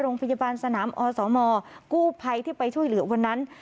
โรงพยาบาลสนามอสมกู้ภัยที่ไปช่วยเหลือวันนั้น